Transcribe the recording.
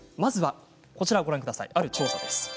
こちらはある調査です。